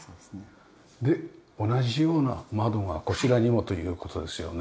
で同じような窓がこちらにもという事ですよね。